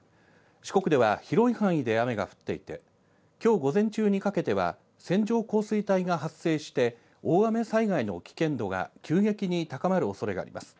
四国では広い範囲で雨が降っていて、きょう午前中にかけては線状降水帯が発生して、大雨災害の危険度が急激に高まるおそれがあります。